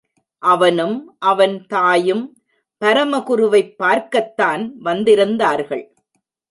அவனும், அவன் தாயும், பரமகுருவைப் பார்க்கத்தான் வந்திருந்தார்கள்.